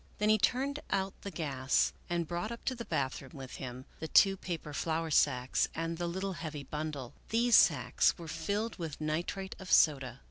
Then he turned out the gas and brought up to the bathroom with him the two paper flour sacks and the little heavy bundle. These sacks were filled with nitrate of soda.